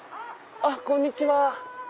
あっこんにちは。